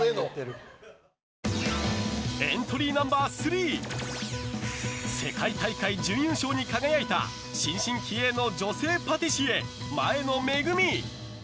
エントリーナンバー３世界大会準優勝に輝いた新進気鋭の女性パティシエ前野めぐみ。